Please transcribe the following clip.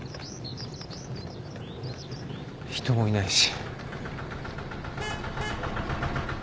人もいないし。